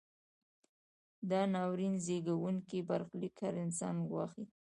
دا ناورین زیږوونکی برخلیک هر انسان ګواښي.